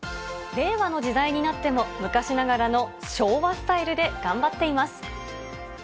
令和の時代になっても、昔ながらの昭和スタイルで頑張っています。